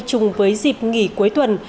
chung với dịp nghỉ cuối tuần